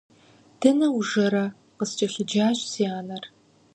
Дэнэ ужэрэ? – къыскӀэлъыджащ си анэр.